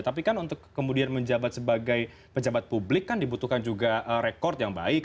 tapi kan untuk kemudian menjabat sebagai pejabat publik kan dibutuhkan juga rekod yang baik